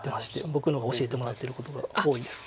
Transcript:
僕の方が教えてもらってることが多いです。